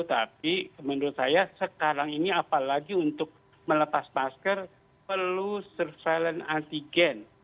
tapi menurut saya sekarang ini apalagi untuk melepas masker perlu surveillance antigen